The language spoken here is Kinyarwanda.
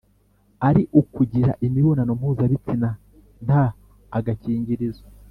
ari ukugira imibonano mpuzabitsina nta agakingirizo;